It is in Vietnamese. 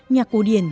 nhạc cổ điển